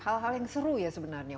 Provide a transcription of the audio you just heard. hal hal yang seru ya sebenarnya